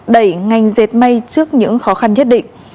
đẩy ngành diệt mây trước những khó khăn nhất định